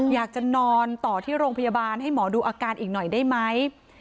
อยากจะนอนต่อที่โรงพยาบาลให้หมอดูอาการอีกหน่อยได้ไหม